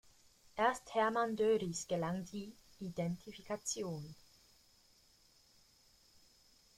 Erst Hermann Dörries gelang die Identifikation.